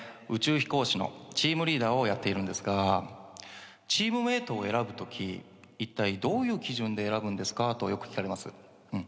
宇宙飛行士のチームリーダーをやっているんですが「チームメートを選ぶときいったいどういう基準で選ぶんですか？」とよく聞かれます。